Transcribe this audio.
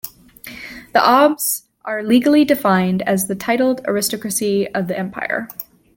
The Abhs are legally defined as the titled aristocracy of the empire.